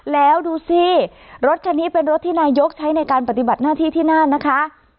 แล้วดูสิรถคันนี้เป็นรถที่นายกใช้ในการปฏิบัติหน้าที่ที่นั่นนะคะ